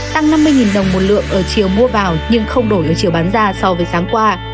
tăng năm mươi đồng một lượng ở chiều mua vào nhưng không đổi ở chiều bán ra so với sáng qua